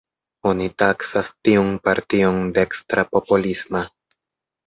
Oni taksas tiun partion dekstra-popolisma.